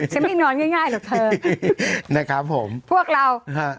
ฉันไม่นอนง่ายง่ายหรอกเธอนะครับผมพวกเราฮะ